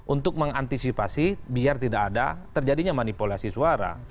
untuk mengantisipasi biar tidak ada terjadinya manipulasi suara